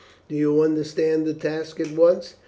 "Do you undertake the task at once."